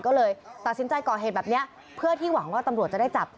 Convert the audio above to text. ก็เลยตัดสินใจก่อเหตุแบบนี้เพื่อที่หวังว่าตำรวจจะได้จับ